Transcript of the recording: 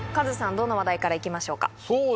どの話題からいきましょうか。